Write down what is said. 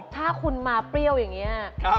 ถ้าคุณมาเปรี้ยวอย่างนี้